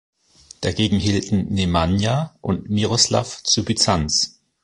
Dagegen hielten Nemanja und Miroslav zu Byzanz.